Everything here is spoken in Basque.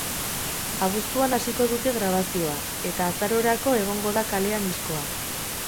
Abuztuan hasiko dute grabazioa, eta azarorako egongo da kalean diskoa.